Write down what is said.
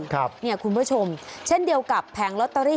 คุณผู้ชมเช่นเดียวกับแผงลอตเตอรี่